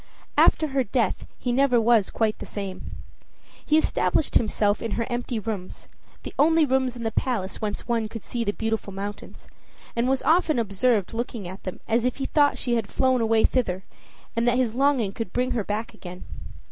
After her death he never was quite the same. He established himself in her empty rooms, the only rooms in the palace whence one could see the Beautiful Mountains, and was often observed looking at them as if he thought she had flown away thither, and that his longing could bring her back again.